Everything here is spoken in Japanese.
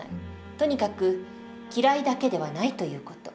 とにかく「嫌い」だけではないという事。